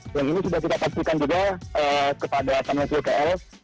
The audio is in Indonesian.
yang ini sudah kita pastikan juga kepada panu sukl